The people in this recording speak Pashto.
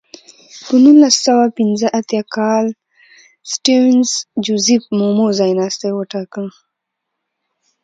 په نولس سوه پنځه اتیا کال کې سټیونز جوزیف مومو ځایناستی وټاکه.